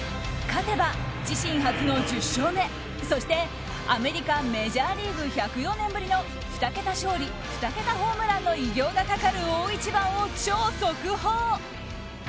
勝てば自身初の１０勝目そしてアメリカ、メジャーリーグ１０４年ぶりの２桁勝利２桁ホームランの偉業がかかる大一番を超速報！